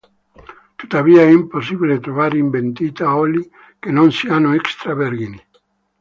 Tuttavia è impossibile trovare in vendita oli che non siano extra vergini.